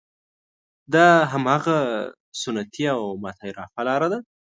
دا هماغه سنتي او متعارفه لاره ده.